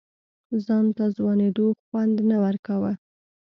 ځان ته ځوانېدو خوند نه ورکوه.